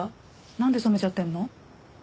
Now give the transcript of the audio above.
なんで染めちゃってんの？